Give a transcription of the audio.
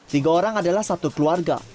tiga orang adalah satu keluarga